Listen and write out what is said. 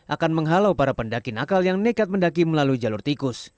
akan menghalau para pendaki nakal yang nekat mendaki melalui jalur tikus